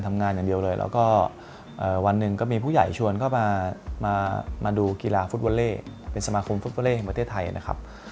ทำงานอย่างเดียวเลยแล้วก็วันหนึ่งก็มีผู้ใหญ่ชวนเข้ามามาดูกีฬาฟุตบอลเล่เป็นสมาคมฟุตบอลเล่แห่งประเทศไทยนะครับ